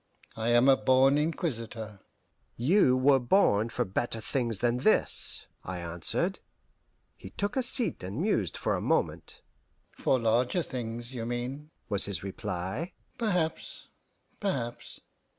I am a born inquisitor." "You were born for better things than this," I answered. He took a seat and mused for a moment. "For larger things, you mean," was his reply. "Perhaps perhaps.